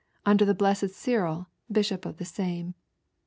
nnder the Blessed Cyril, bishop of the same.